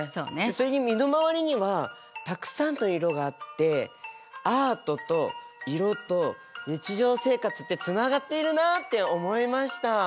それに身の回りにはたくさんの色があってアートと色と日常生活ってつながっているなあって思いました。